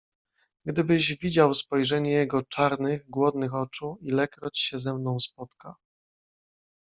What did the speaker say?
"Gdybyś widział spojrzenie jego czarnych, głodnych oczu, ilekroć się ze mną spotka!"